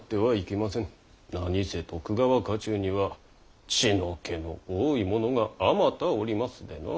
何せ徳川家中には血の気の多い者があまたおりますでな。